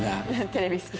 テレビ好き。